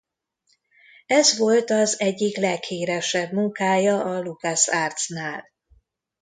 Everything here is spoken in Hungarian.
Ez volt az egyik leghíresebb munkája a LucasArts-nál.